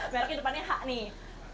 merknya depannya h nih